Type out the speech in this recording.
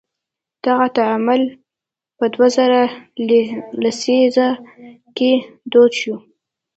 دغه تعامل په دوه زره لسیزه کې دود شو.